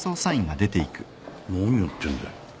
何やってんだよ。